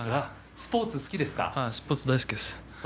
スポーツ好きです。